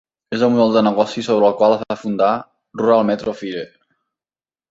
És el model de negoci sobre el qual es va fundar Rural Metro Fire.